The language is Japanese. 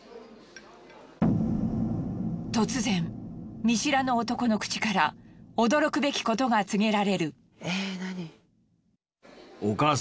突然見知らぬ男の口から驚くべきことが告げられる。